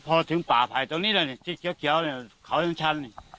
พอถึงป่าภัยตรงนี้น่ะที่เขียวเขียวเขาทั้งชั้น